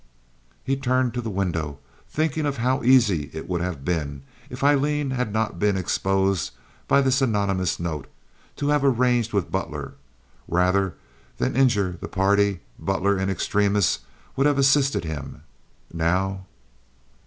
He turned to the window, thinking of how easy it would have been, if Aileen and he had not been exposed by this anonymous note, to have arranged all with Butler. Rather than injure the party, Butler, in extremis, would have assisted him. Now...!